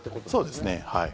そうですね、はい。